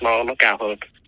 nó nó cao hơn